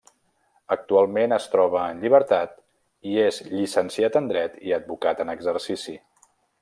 Actualment es troba en llibertat i és llicenciat en dret i advocat en exercici.